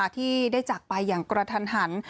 ที่ได้จากไปอย่างกระทันหัน